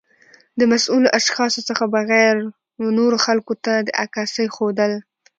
د مسؤلو اشخاصو څخه بغیر و نورو خلګو ته د عکاسۍ ښودل